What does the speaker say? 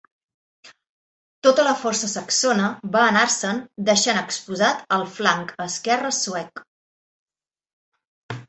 Tota la força saxona va anar-se'n deixant exposat el flanc esquerre suec.